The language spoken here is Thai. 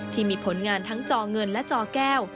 ที่มีผลงานทั้งจอเงินและจอแก้ว